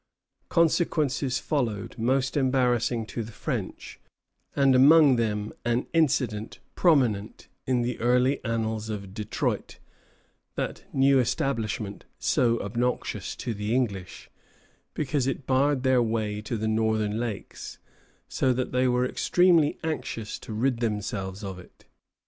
Consequences followed most embarrassing to the French, and among them an incident prominent in the early annals of Detroit, that new establishment so obnoxious to the English, because it barred their way to the northern lakes, so that they were extremely anxious to rid themselves of it.